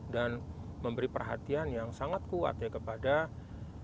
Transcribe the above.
dan memberi perhatian yang sangat kuat ya kepada enam puluh juta ukm kita